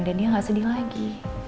dan dia gak sedih lagi